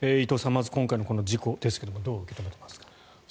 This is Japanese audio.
まず今回のこの事故ですがどう受け止めていますか。